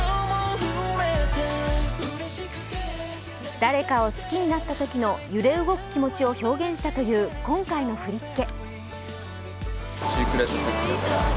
誰かを好きになったときの揺れ動く気持ちを表現したという今回の振り付け。